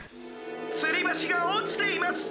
つりばしがおちています！